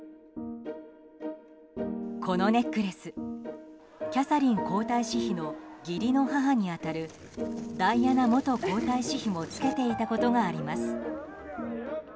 このネックレスキャサリン皇太子妃の義理の母に当たるダイアナ元皇太子妃も着けていたことがあります。